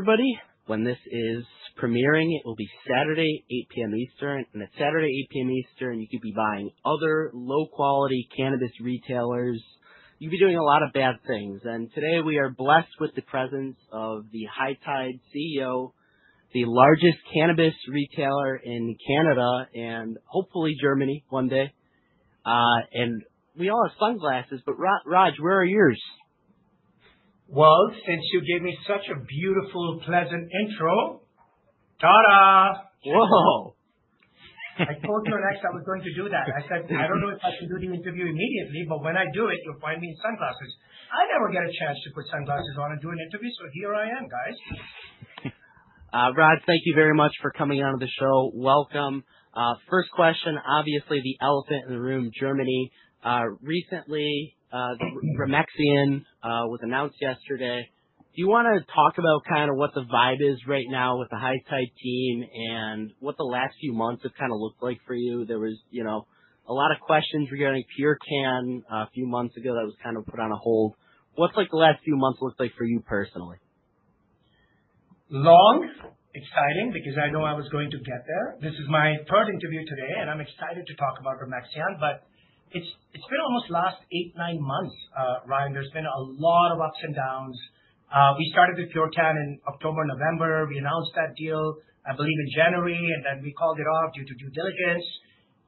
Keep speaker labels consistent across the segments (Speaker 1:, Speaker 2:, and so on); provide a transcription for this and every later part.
Speaker 1: Hello, everybody. When this is premiering, it will be Saturday, 8:00 P.M. Eastern. At Saturday, 8:00 P.M. Eastern, you could be buying other low-quality cannabis retailers. You could be doing a lot of bad things. Today we are blessed with the presence of the High Tide CEO, the largest cannabis retailer in Canada, and hopefully Germany one day. We all have sunglasses, but Raj, where are yours?
Speaker 2: Well, since you gave me such a beautiful, pleasant intro, ta-da.
Speaker 1: Whoa.
Speaker 2: I told your on X I was going to do that. I said, "I don't know if I should do the interview immediately, but when I do it, you'll find me in sunglasses." I never get a chance to put sunglasses on and do an interview, here I am, guys.
Speaker 1: Raj, thank you very much for coming onto the show. Welcome. First question, obviously the elephant in the room, Germany. Recently, Remexian was announced yesterday. Do you want to talk about what the vibe is right now with the High Tide team and what the last few months have looked like for you? There was a lot of questions regarding Purecan a few months ago that was kind of put on hold. What's the last few months looked like for you personally?
Speaker 2: Long, exciting, because I know I was going to get there. This is my third interview today, and I'm excited to talk about Remexian, but it's been almost last eight, nine months, Ryan. There's been a lot of ups and downs. We started with Purecan in October, November. We announced that deal, I believe, in January, and then we called it off due to due diligence.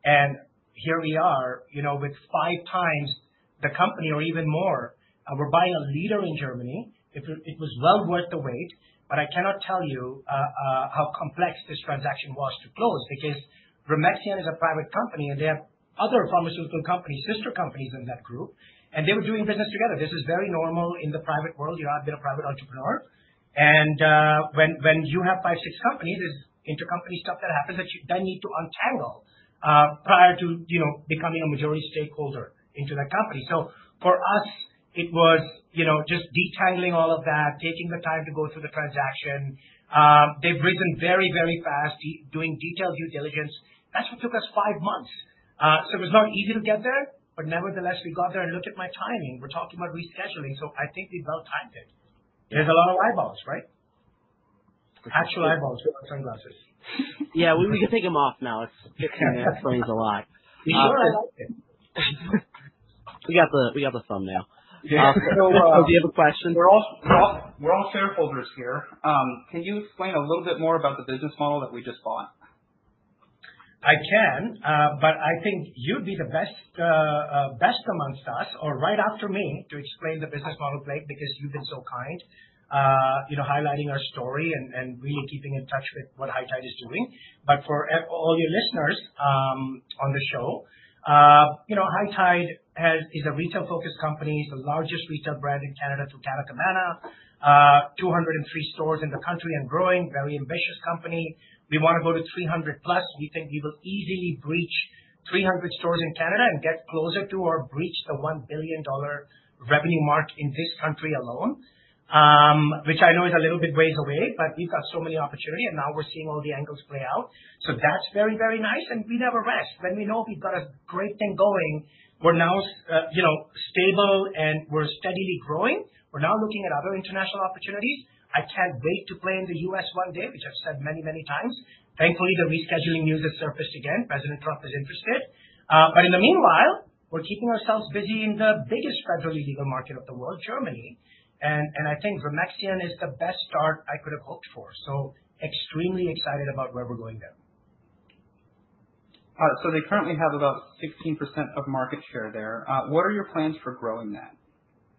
Speaker 2: Here we are with five times the company or even more. We're buying a leader in Germany. It was well worth the wait, but I cannot tell you how complex this transaction was to close because Remexian is a private company and they have other pharmaceutical companies, sister companies in that group, and they were doing business together. This is very normal in the private world. You and I have been a private entrepreneur. When you have five, six companies, there's intercompany stuff that happens that you then need to untangle prior to becoming a majority stakeholder into that company. For us, it was just detangling all of that, taking the time to go through the transaction. They've risen very, very fast. Doing detailed due diligence, that's what took us five months. It was not easy to get there, but nevertheless, we got there and look at my timing. We're talking about rescheduling, so I think we well-timed it. There's a lot of eyeballs. Actual eyeballs, without sunglasses.
Speaker 1: Yeah, we can take them off now. It explains a lot.
Speaker 2: Sure, I like it.
Speaker 1: We got the thumbnail.
Speaker 3: Yeah.
Speaker 1: Do you have a question?
Speaker 3: We're all shareholders here. Can you explain a little bit more about the business model that we just bought?
Speaker 2: I can. I think you'd be the best amongst us or right after me to explain the business model, Blake, because you've been so kind highlighting our story and really keeping in touch with what High Tide is doing. For all your listeners on the show, High Tide is a retail-focused company. It's the largest retail brand in Canada through Canna Cabana. 203 stores in the country and growing. Very ambitious company. We want to go to 300+. We think we will easily breach 300 stores in Canada and get closer to or breach the 1 billion dollar revenue mark in this country alone, which I know is a little bit ways away, we've got so many opportunity, and now we're seeing all the angles play out. That's very, very nice. We never rest. When we know we've got a great thing going, we're now stable and we're steadily growing. We're now looking at other international opportunities. I can't wait to play in the U.S. one day, which I've said many, many times. Thankfully, the rescheduling news has surfaced again. President Trump is interested. In the meanwhile, we're keeping ourselves busy in the biggest federally legal market of the world, Germany. I think Remexian is the best start I could have hoped for. Extremely excited about where we're going there.
Speaker 3: They currently have about 16% of market share there. What are your plans for growing that?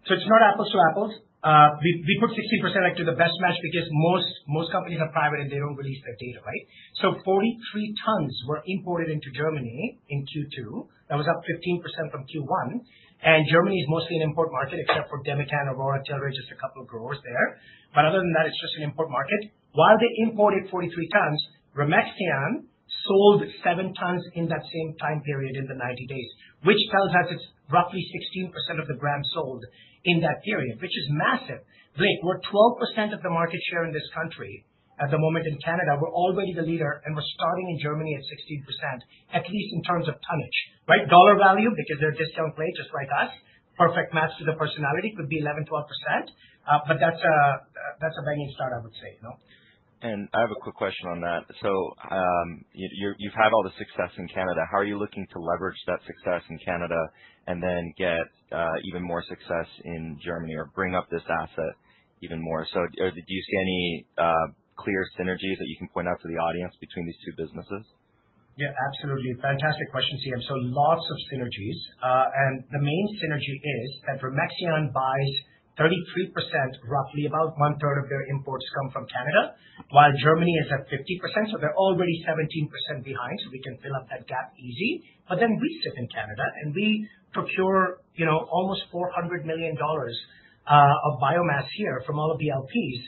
Speaker 2: It's not apples to apples. We put 16% to the best match because most companies are private and they don't release their data. 43 tons were imported into Germany in Q2. That was up 15% from Q1. Germany is mostly an import market except for DEMECAN, Aurora, Tilray, just a couple of growers there. Other than that, it's just an import market. While they imported 43 tons, Remexian sold seven tons in that same time period in the 90 days, which tells us it's roughly 16% of the grams sold in that period, which is massive. Blake, we're 12% of the market share in this country at the moment in Canada. We're already the leader, we're starting in Germany at 16%, at least in terms of tonnage. Dollar value, because they're discount play just like us, perfect match to the personality, could be 11%, 12%. That's a banging start, I would say.
Speaker 4: I have a quick question on that. You've had all the success in Canada. How are you looking to leverage that success in Canada and then get even more success in Germany or bring up this asset even more? Do you see any clear synergies that you can point out to the audience between these two businesses?
Speaker 2: Yeah, absolutely. Fantastic question, CM. Lots of synergies. The main synergy is that Remexian buys 33%, roughly about 1/3 of their imports come from Canada. Germany is at 50%, they're already 17% behind, we can fill up that gap easy. We sit in Canada and we procure almost 400 million dollars of biomass here from all of the LPs.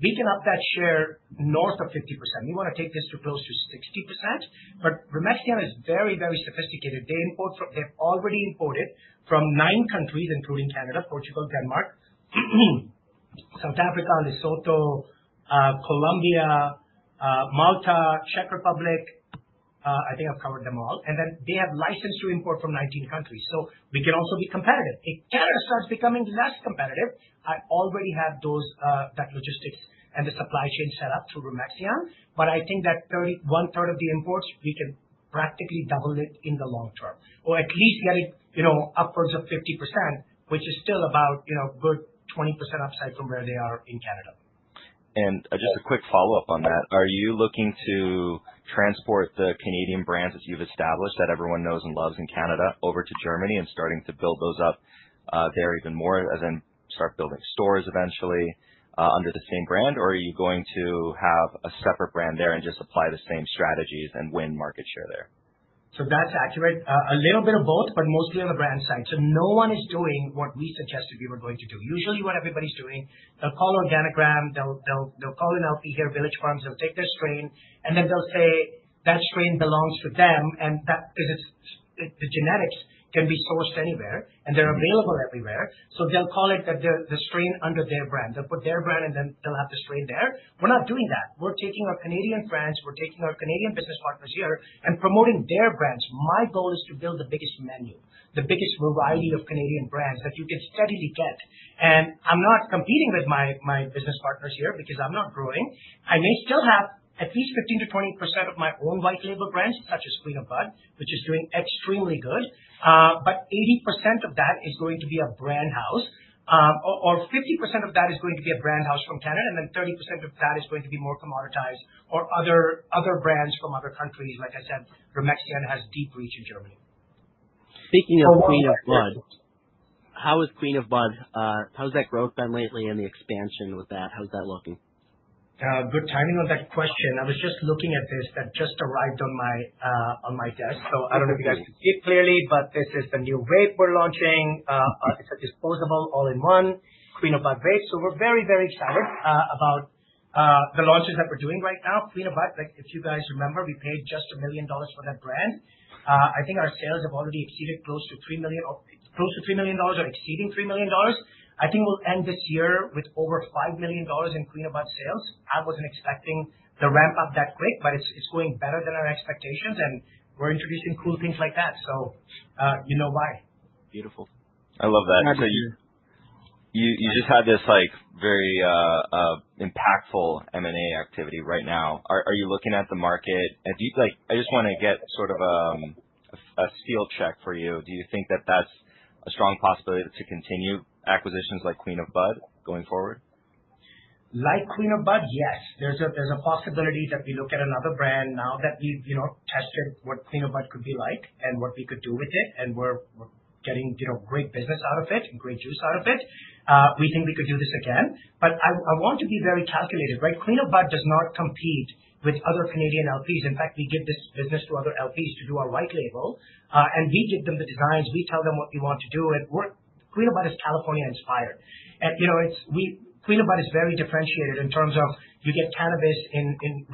Speaker 2: We can up that share north of 50%. We want to take this to close to 60%. Remexian is very, very sophisticated. They've already imported from nine countries, including Canada, Portugal, Denmark, South Africa, Lesotho, Colombia, Malta, Czech Republic. I think I've covered them all. They have license to import from 19 countries. We can also be competitive. If Canada starts becoming less competitive, I already have that logistics and the supply chain set up through Remexian. I think that one-third of the imports, we can practically double it in the long term, or at least get it upwards of 50%, which is still about a good 20% upside from where they are in Canada.
Speaker 4: Just a quick follow-up on that. Are you looking to transport the Canadian brands that you've established, that everyone knows and loves in Canada over to Germany and starting to build those up there even more as in start building stores eventually, under the same brand? Are you going to have a separate brand there and just apply the same strategies and win market share there?
Speaker 2: That's accurate. A little bit of both, but mostly on the brand side. No one is doing what we suggested we were going to do. Usually what everybody's doing, they'll call Organigram, they'll call an LP here, Village Farms, they'll take their strain, and then they'll say that strain belongs to them and the genetics can be sourced anywhere, and they're available everywhere. They'll call it the strain under their brand. They'll put their brand and then they'll have the strain there. We're not doing that. We're taking our Canadian brands, we're taking our Canadian business partners here and promoting their brands. My goal is to build the biggest menu, the biggest variety of Canadian brands that you can steadily get. I'm not competing with my business partners here because I'm not growing. I may still have at least 15%-20% of my own white label brands, such as Queen of Bud, which is doing extremely good. 80% of that is going to be a branded house, or 50% of that is going to be a branded house from Canada, then 30% of that is going to be more commoditized or other brands from other countries. I said, Remexian Pharma GmbH has deep reach in Germany.
Speaker 3: Speaking of Queen of Bud, how is Queen of Bud, how has that growth been lately and the expansion with that? How's that looking?
Speaker 2: Good timing on that question. I was just looking at this, that just arrived on my desk. I don't know if you guys can see it clearly, but this is the new vape we're launching. It's a disposable all-in-one Queen of Bud vape. We're very excited about the launches that we're doing right now. Queen of Bud, if you guys remember, we paid just 1 million dollars for that brand. I think our sales have already exceeded close to 3 million dollars or exceeding 3 million dollars. I think we'll end this year with over 5 million dollars in Queen of Bud sales. I wasn't expecting the ramp up that quick, but it's going better than our expectations, and we're introducing cool things like that. You know why.
Speaker 3: Beautiful.
Speaker 1: I love that. You just had this very impactful M&A activity right now. Are you looking at the market? I just want to get sort of a field check for you. Do you think that that's a strong possibility to continue acquisitions like Queen of Bud going forward?
Speaker 2: Like Queen of Bud? Yes. There's a possibility that we look at another brand now that we've tested what Queen of Bud could be like and what we could do with it, and we're getting great business out of it and great juice out of it. We think we could do this again. I want to be very calculated, right? Queen of Bud does not compete with other Canadian LPs. In fact, we give this business to other LPs to do our white label. We give them the designs, we tell them what we want to do. Queen of Bud is California-inspired. Queen of Bud is very differentiated in terms of you get cannabis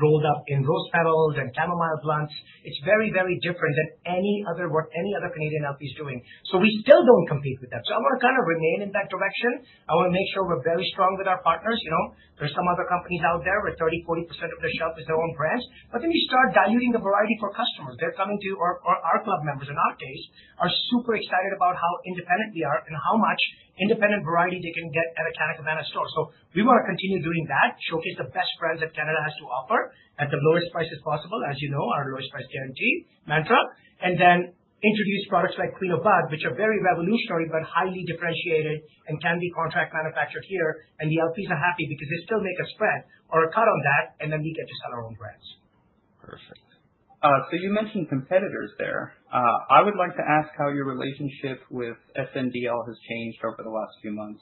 Speaker 2: rolled up in rose petals and chamomile blends. It's very different than what any other Canadian LP is doing. We still don't compete with them. I want to kind of remain in that direction. I want to make sure we're very strong with our partners. There's some other companies out there where 30%, 40% of their shelf is their own brands. You start diluting the variety for customers. They're coming to our club members and arcades are super excited about how independent we are and how much independent variety they can get at a Canna Cabana store. We want to continue doing that, showcase the best brands that Canada has to offer at the lowest prices possible. As you know, our lowest price guarantee mantra, and then introduce products like Queen of Bud, which are very revolutionary but highly differentiated and can be contract manufactured here. The LPs are happy because they still make a spread or a cut on that, and then we get to sell our own brands.
Speaker 3: Perfect. You mentioned competitors there. I would like to ask how your relationship with SNDL has changed over the last few months.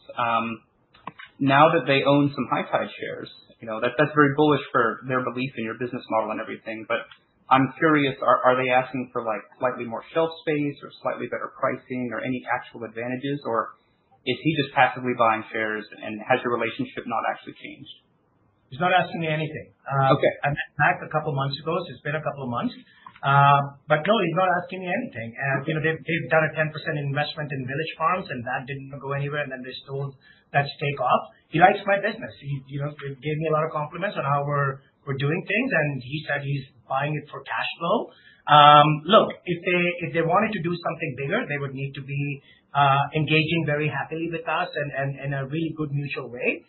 Speaker 3: Now that they own some High Tide shares, that's very bullish for their belief in your business model and everything. I'm curious, are they asking for slightly more shelf space or slightly better pricing or any actual advantages? Is he just passively buying shares and has your relationship not actually changed?
Speaker 2: He's not asking me anything.
Speaker 3: Okay.
Speaker 2: I met Zach a couple of months ago, so it's been a couple of months. No, he's not asking me anything. They've done a 10% investment in Village Farms, and that didn't go anywhere, and then they sold that stake off. He likes my business. He gave me a lot of compliments on how we're doing things, and he said he's buying it for cash flow. Look, if they wanted to do something bigger, they would need to be engaging very happily with us and in a really good mutual way.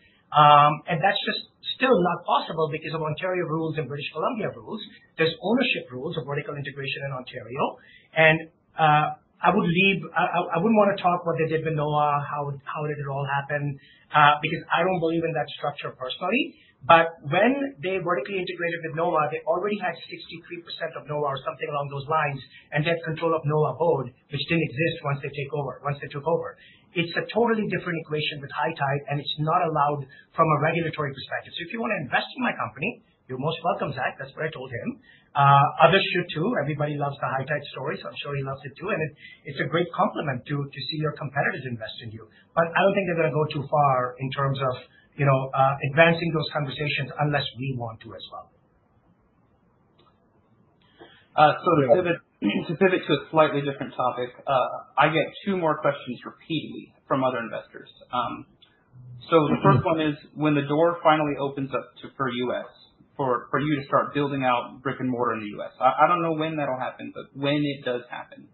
Speaker 2: That's just still not possible because of Ontario rules and British Columbia rules. There's ownership rules of vertical integration in Ontario. I wouldn't want to talk what they did with Nova, how did it all happen, because I don't believe in that structure personally. When they vertically integrated with Nova, they already had 63% of Nova or something along those lines, and they had control of Nova board, which didn't exist once they took over. It's a totally different equation with High Tide, and it's not allowed from a regulatory perspective. If you want to invest in my company, you're most welcome, Zach. That's what I told him. Others should too. Everybody loves the High Tide story, so I'm sure he loves it too. It's a great compliment to see your competitors invest in you. I don't think they're going to go too far in terms of advancing those conversations unless we want to as well.
Speaker 3: To pivot to a slightly different topic. I get two more questions repeatedly from other investors. The first one is when the door finally opens up for you to start building out brick and mortar in the U.S. I don't know when that'll happen, when it does happen,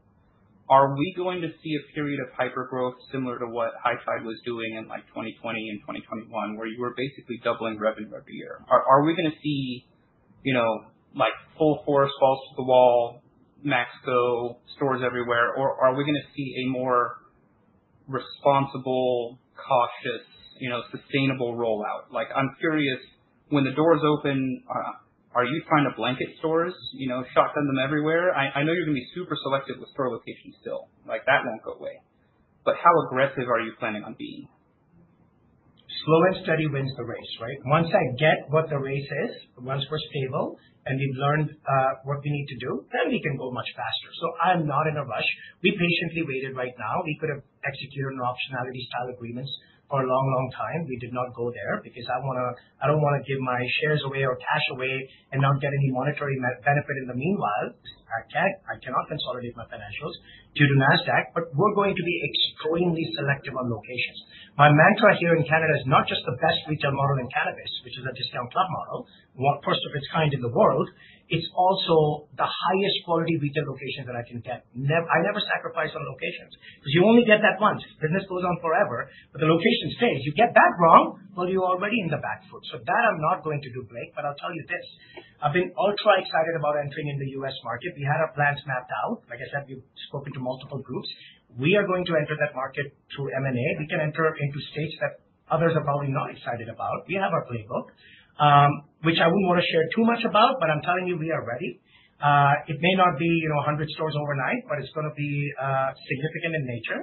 Speaker 3: are we going to see a period of hyper-growth similar to what High Tide was doing in 2020 and 2021, where you were basically doubling revenue every year? Are we going to see full force, balls to the wall, max go, stores everywhere? Are we going to see a more responsible, cautious, sustainable rollout? I'm curious, when the doors open, are you trying to blanket stores, shotgun them everywhere? I know you're going to be super selective with store locations still. That won't go away. How aggressive are you planning on being?
Speaker 2: Slow and steady wins the race. Once I get what the race is, once we're stable and we've learned what we need to do, then we can go much faster. I'm not in a rush. We patiently waited right now. We could have executed an optionality style agreement for a long time. We did not go there because I don't want to give my shares away or cash away and not get any monetary benefit in the meanwhile. I cannot consolidate my financials due to Nasdaq, but we're going to be extremely selective on locations. My mantra here in Canada is not just the best retail model in cannabis, which is a discount club model, first of its kind in the world. It's also the highest quality retail location that I can get. I never sacrifice on locations because you only get that once. The rest goes on forever. The location stays. You get that wrong, well, you're already in the back foot. That I'm not going to do, Blake, but I'll tell you this, I've been ultra excited about entering in the U.S. market. We had our plans mapped out. Like I said, we've spoken to multiple groups. We are going to enter that market through M&A. We can enter into states that others are probably not excited about. We have our playbook, which I wouldn't want to share too much about, but I'm telling you, we are ready. It may not be 100 stores overnight, but it's going to be significant in nature,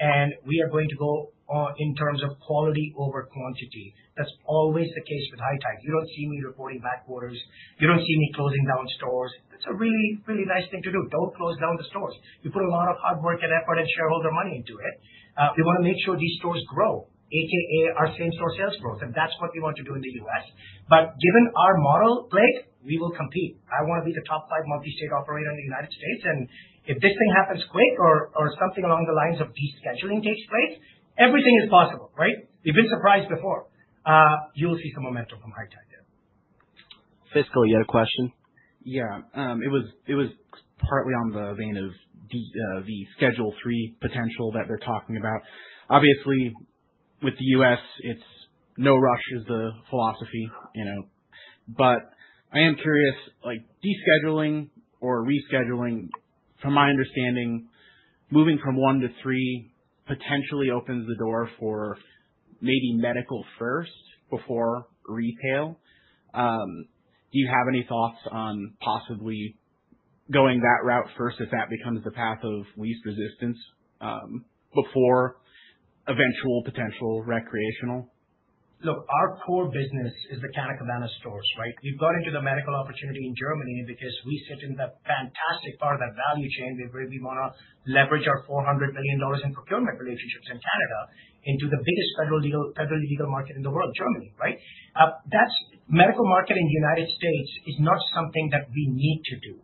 Speaker 2: and we are going to go in terms of quality over quantity. That's always the case with High Tide. You don't see me reporting back orders. You don't see me closing down stores. It's a really nice thing to do. Don't close down the stores. You put a lot of hard work and effort and shareholder money into it. We want to make sure these stores grow, AKA our same store sales growth, and that's what we want to do in the U.S. Given our model, Blake, we will compete. I want to be the top five multi-state operator in the United States, and if this thing happens quick or something along the lines of descheduling takes place, everything is possible. We've been surprised before. You'll see some momentum from High Tide there.
Speaker 1: Fiscal, you had a question?
Speaker 5: Yeah. It was partly on the vein of the Schedule III potential that they're talking about. Obviously, with the U.S., it's no rush is the philosophy. I am curious, descheduling or rescheduling, from my understanding, moving from one to three potentially opens the door for maybe medical first before retail. Do you have any thoughts on possibly going that route first if that becomes the path of least resistance before eventual potential recreational?
Speaker 2: Our core business is the Canna Cabana stores. We've got into the medical opportunity in Germany because we sit in the fantastic part of that value chain where we want to leverage our 400 million dollars in procurement relationships in Canada into the biggest federal legal market in the world, Germany. Medical market in the United States is not something that we need to do.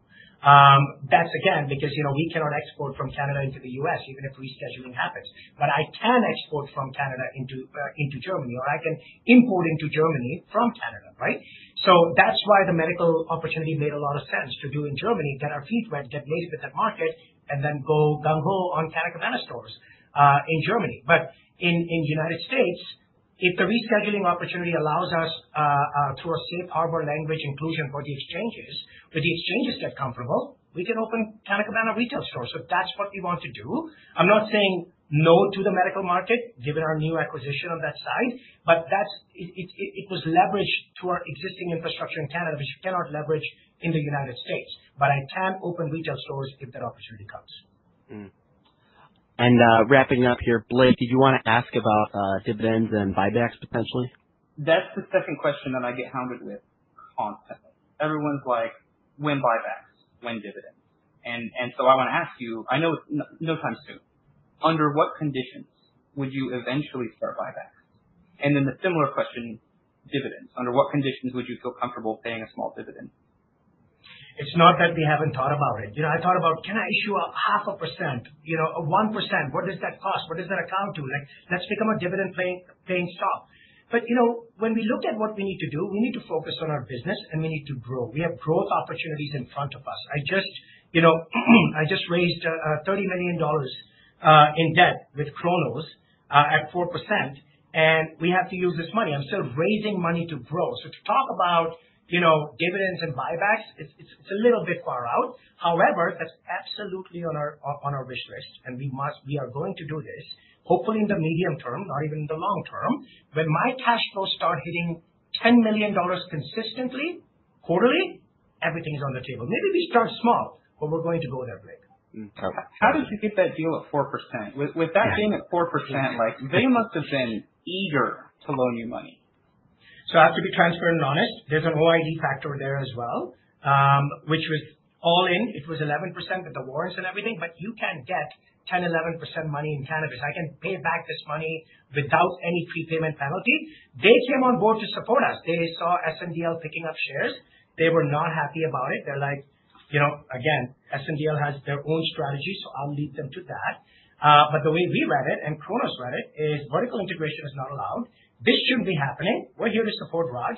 Speaker 2: That's again, because we cannot export from Canada into the U.S. even if rescheduling happens. I can export from Canada into Germany, or I can import into Germany from Canada. That's why the medical opportunity made a lot of sense to do in Germany, get our feet wet, get laced with that market, and then go gung-ho on Canna Cabana stores in Germany. In U.S., if the rescheduling opportunity allows us through a safe harbor language inclusion for the exchanges, if the exchanges get comfortable, we can open Canna Cabana retail stores. That's what we want to do. I'm not saying no to the medical market given our new acquisition on that side, but it was leverage to our existing infrastructure in Canada, which we cannot leverage in the U.S. I can open retail stores if that opportunity comes.
Speaker 1: Wrapping up here, Blake, did you want to ask about dividends and buybacks potentially?
Speaker 3: That's the second question that I get hounded with constantly. Everyone's like, "When buybacks? When dividends?" I want to ask you, I know it's no time soon, under what conditions would you eventually start buybacks? The similar question, dividends. Under what conditions would you feel comfortable paying a small dividend?
Speaker 2: It's not that we haven't thought about it. I thought about can I issue a half a percent, 1%? What does that cost? What does that account to? Let's become a dividend-paying stock. When we look at what we need to do, we need to focus on our business and we need to grow. We have growth opportunities in front of us. I just raised 30 million dollars in debt with Cronos at 4%, and we have to use this money. I'm still raising money to grow. To talk about dividends and buybacks, it's a little bit far out. However, that's absolutely on our wish list, and we are going to do this, hopefully in the medium term, not even in the long term. When my cash flows start hitting 10 million dollars consistently, quarterly, everything is on the table. Maybe we start small, but we're going to go there, Blake.
Speaker 1: Okay.
Speaker 3: How did you get that deal at 4%? With that being at 4%, they must have been eager to loan you money.
Speaker 2: I have to be transparent and honest. There's an OID factor there as well, which was all in, it was 11% with the warrants and everything, but you can get 10%-11% money in cannabis. I can pay back this money without any prepayment penalty. They came on board to support us. They saw SNDL picking up shares. They were not happy about it. Again, SNDL has their own strategy, so I'll leave them to that. The way we read it, and Cronos read it, is vertical integration is not allowed. This shouldn't be happening. We're here to support Raj.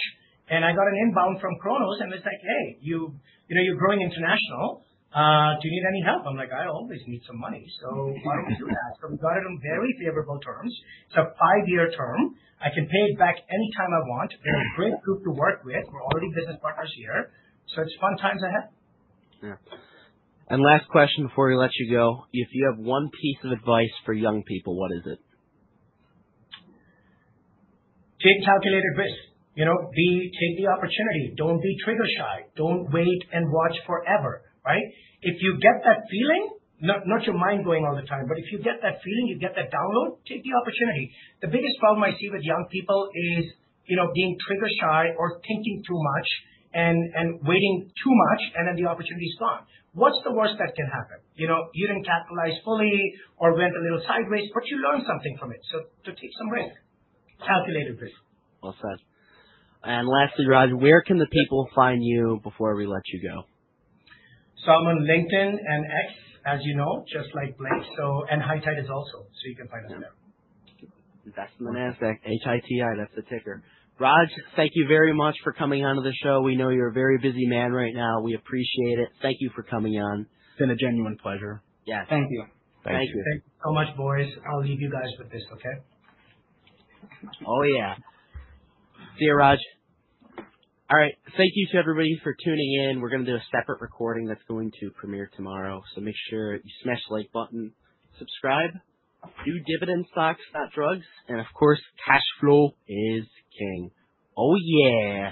Speaker 2: I got an inbound from Cronos, and it's like, "Hey, you're growing international. Do you need any help?" I'm like, "I always need some money, so why don't we do that?" We got it on very favorable terms. It's a five-year term. I can pay it back any time I want. They're a great group to work with. We're already business partners here. There's fun times ahead.
Speaker 1: Yeah. Last question before we let you go. If you have one piece of advice for young people, what is it?
Speaker 2: Take calculated risks. Take the opportunity. Don't be trigger-shy. Don't wait and watch forever, right? If you get that feeling, not your mind going all the time, but if you get that feeling, you get that download, take the opportunity. The biggest problem I see with young people is, being trigger-shy or thinking too much and waiting too much, and then the opportunity's gone. What's the worst that can happen? You didn't capitalize fully or went a little sideways, but you learned something from it. Take some risk, calculated risk.
Speaker 1: Well said. Lastly, Raj, where can the people find you before we let you go?
Speaker 2: I'm on LinkedIn and X, as you know, just like Blake. High Tide is also, so you can find us there.
Speaker 1: That's the Nasdaq. HITI, that's the ticker. Raj, thank you very much for coming onto the show. We know you're a very busy man right now. We appreciate it. Thank you for coming on.
Speaker 3: It's been a genuine pleasure.
Speaker 1: Yes.
Speaker 2: Thank you.
Speaker 1: Thank you.
Speaker 2: Thanks so much, boys. I'll leave you guys with this, okay?
Speaker 1: Oh, yeah. See you, Raj. All right. Thank you to everybody for tuning in. We're going to do a separate recording that's going to premiere tomorrow, so make sure you smash the like button, subscribe, do dividend stocks, not drugs, and of course, cash flow is king. Oh, yeah.